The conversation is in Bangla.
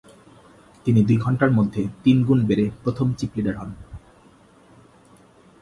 তিনি দুই ঘন্টার মধ্যে তিনগুণ বেড়ে প্রথম চিপ লিডার হন।